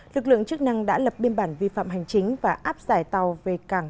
lực lượng chức năng đã lập biên bản vi phạm hành chính và áp giải tàu về cảng